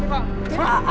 ada orang ketabrak kereta